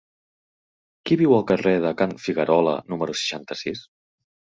Qui viu al carrer de Can Figuerola número seixanta-sis?